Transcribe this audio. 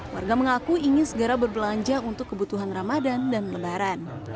warga mengaku ingin segera berbelanja untuk kebutuhan ramadan dan lebaran